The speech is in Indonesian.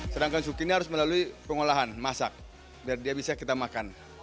sedangkan suki ini harus melalui pengolahan masak biar dia bisa kita makan